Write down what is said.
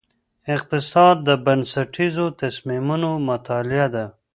اقتصاد د بنسټیزو تصمیمونو مطالعه ده.